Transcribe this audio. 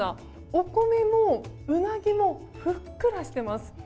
お米もウナギもふっくらしてます。